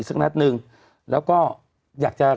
กรมป้องกันแล้วก็บรรเทาสาธารณภัยนะคะ